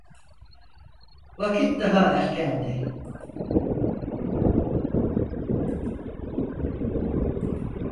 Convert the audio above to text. Vakit daha erkendi.